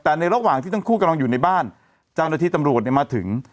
แต่ในระหว่างที่ทั้งคู่กำลังอยู่ในบ้านเจ้าหน้าที่ตำรวจเนี่ยมาถึง